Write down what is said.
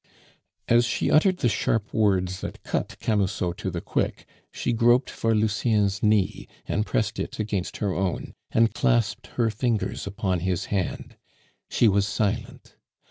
As she uttered the sharp words that cut Camusot to the quick, she groped for Lucien's knee, and pressed it against her own, and clasped her fingers upon his hand. She was silent.